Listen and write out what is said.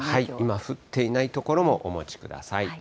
今降っていない所もお持ちください。